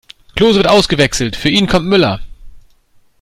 Klose wird ausgewechselt, für ihn kommt Müller.